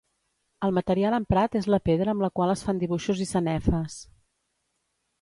El material emprat és la pedra amb la qual es fan dibuixos i sanefes.